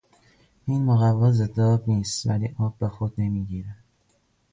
این مقوا ضد آب نیست ولی آب به خود نمیگیرد.